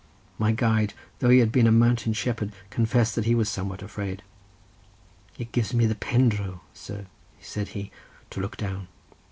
My guide, though he had been a mountain shepherd, confessed that he was somewhat afraid. "It gives me the pendro, sir," said he, "to look down."